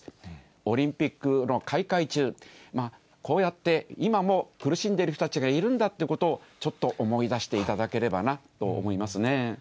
オリンピックの開会中、こうやって今も苦しんでいる人たちがいるんだということを、ちょっと思い出していただければなと思いますね。